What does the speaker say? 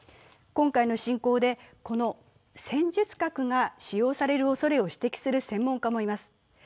今回の侵攻でこの戦術核が使用されるおそれを指摘する専門家もいます。